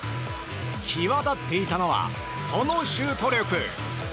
際立っていたのはそのシュート力！